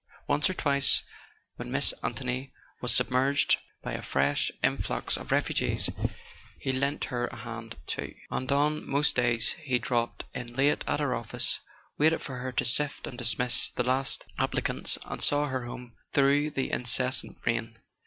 Once or twice, when Miss Anthony was submerged by a fresh influx of refugees, he lent her a hand too; and on most days he dropped in late at her office, waited for her to sift and dismiss the last applicants, and saw her home through the incessant rain.